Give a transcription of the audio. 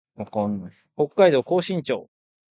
北海道厚真町